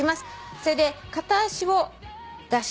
それで片足を出します。